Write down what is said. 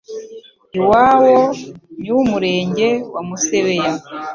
iwawo ni m'umurenge wa Musebeya .